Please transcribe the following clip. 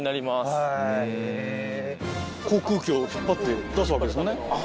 航空機を引っ張って出すわけですもんね。